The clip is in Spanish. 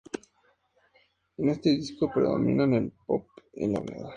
En este disco predominan el pop y la balada.